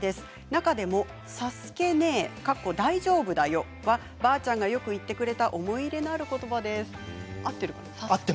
中でもさすけねえはばあちゃんがよく言ってくれた思い出のあることばです。